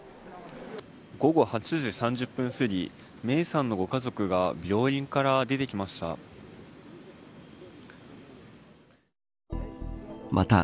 午後８時３０分すぎ芽生さんのご家族が病院から出てきました。